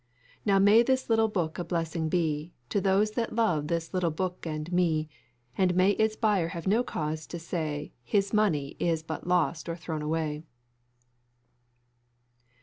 "Now may this little book a blessing be, To those that love this little book and me And may its buyer have no cause to say His money is but lost or thrown away."